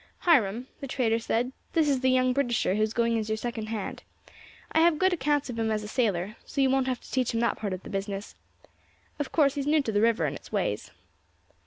"Hiram," the trader said, "this is the young Britisher who is going as your second hand. I have good accounts of him as a sailor, so you won't have to teach him that part of the business. Of course he is new to the river and its ways."